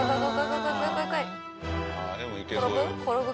転ぶ？